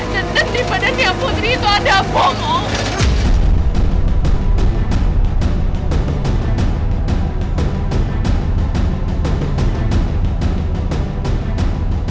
dan dan di badannya putri itu ada bom om